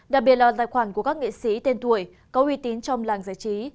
đặc biệt là tài khoản của các nghệ sĩ tên tuổi có uy tín trong làng giải trí